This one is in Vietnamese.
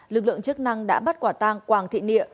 lực lượng chức năng đã bắt quả tăng quảng thị nịa